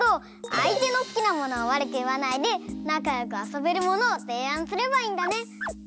あいてのすきなものをわるくいわないでなかよくあそべるものをていあんすればいいんだね。